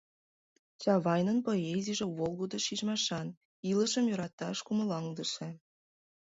Чавайнын поэзийже волгыдо шижмашан, илышым йӧраташ кумылаҥдыше.